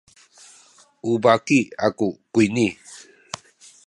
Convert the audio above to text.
u baki aku kuyni.